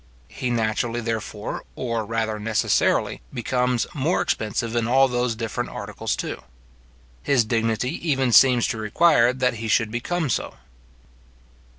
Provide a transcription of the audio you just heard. He naturally, therefore, or rather necessarily, becomes more expensive in all those different articles too. His dignity even seems to require that he should become so.